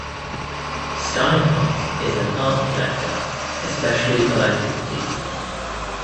Steinhardt is an art collector, especially of antiquities.